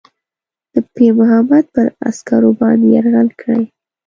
د پیرمحمد پر عسکرو باندي یرغل کړی.